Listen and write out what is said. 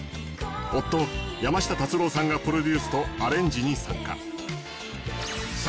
夫山下達郎さんがプロデュースとアレンジに参加。